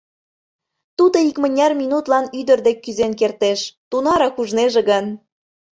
Тудо икмыняр минутлан ӱдыр дек кӱзен кертеш, тунарак ужнеже гын.